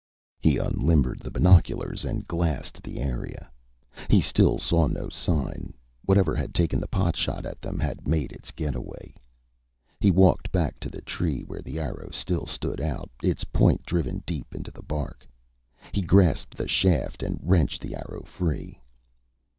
He unlimbered the binoculars and glassed the area. He still saw no sign. Whatever had taken the pot shot at them had made its getaway. He walked back to the tree where the arrow still stood out, its point driven deep into the bark. He grasped the shaft and wrenched the arrow free.